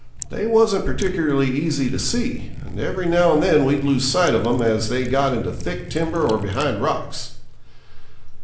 They wasn't particularly easy to see, and every now and then we'd lose sight of 'em as they got into thick timber or behind rocks.